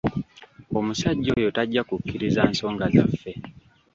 Omusajja oyo tajja kukkiriza nsonga zaffe.